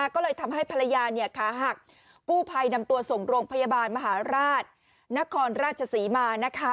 ก็เลยทำให้ภรรยาขาหักกู้ภัยนำตัวส่งโรงพยาบาลมหาราชนครราชศรีมา